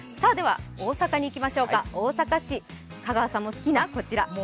大阪にいきましょうか、大阪市、香川さんの好きなこちら。